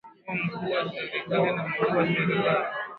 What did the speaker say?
kuwa mkuu wa serikali na mkuu wa serikali